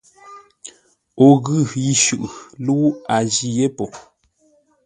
O ghʉ yi shʉʼʉ, lə́u a jî yé po.